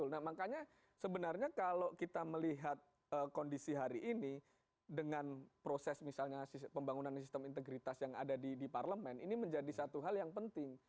nah makanya sebenarnya kalau kita melihat kondisi hari ini dengan proses misalnya pembangunan sistem integritas yang ada di parlemen ini menjadi satu hal yang penting